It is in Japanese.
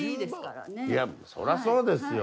そりゃそうですよ。